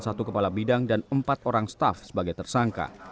satu kepala bidang dan empat orang staff sebagai tersangka